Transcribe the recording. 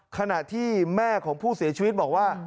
ขณะที่แม่ของผู้เสียชีวิตบอกว่า